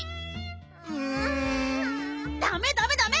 うん。ダメダメダメ！